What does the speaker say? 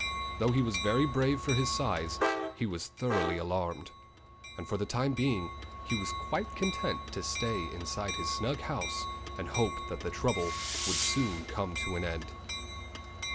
Though he was very brave for his size, he was thoroughly alarmed. And for the time being he was quite content to stay inside his snug house and hope that the trouble would soon come to an end.